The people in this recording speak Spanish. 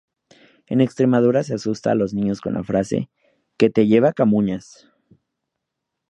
En Extremadura se asusta a los niños con la frase "que te lleva Camuñas".